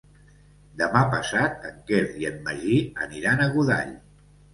Demà passat en Quer i en Magí aniran a Godall.